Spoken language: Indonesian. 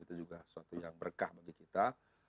itu juga suatu yang berkah bagi kita